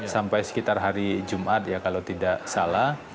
sampai sekitar hari jumat ya kalau tidak salah